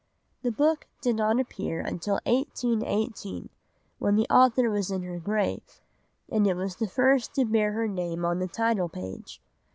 The book did not appear until 1818, when the author was in her grave, and it was the first to bear her name on the title page.